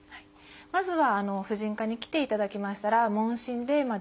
まずは婦人科に来ていただきましたら問診で自覚症状の確認。